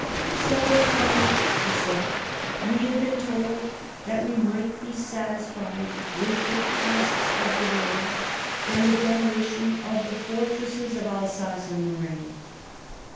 " Several times," he said, " we have been told that we might be satisfied with the costs of the war and the demolition of the fortresses of Alsace and Lorraine.